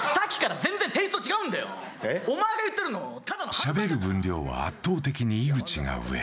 しゃべる分量は圧倒的に井口が上。